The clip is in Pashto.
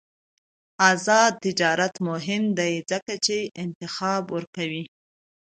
آزاد تجارت مهم دی ځکه چې انتخاب ورکوي.